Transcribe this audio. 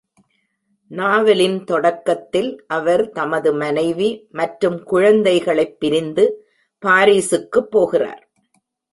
நாவலின் தொடக்கத்தில் அவர் தமது மனைவி மற்றும் குழந்தைகளைப் பிரிந்து பாரிஸுக்குப் போகிறார்.